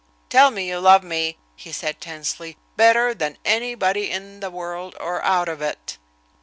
"Tell me you love me," he said tensely, "better than anybody in the world or out of it."